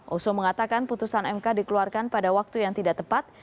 oso mengatakan putusan mk dikeluarkan pada waktu yang tidak tepat